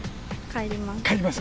帰ります。